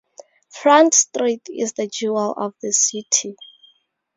Front Street is the jewel of the city.